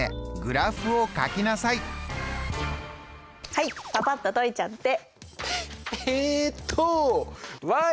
はいパパっと解いちゃって。